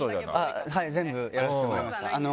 はい全部やらせてもらいました。